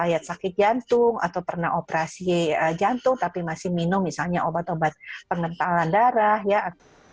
sakit jantung atau pernah operasi jantung tapi masih minum misalnya obat obat pengentalan darah ya